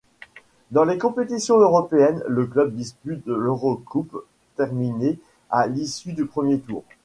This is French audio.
Dans les compétitions européennes, le club dispute l'EuroCoupe, terminée à l'issue du premier tour.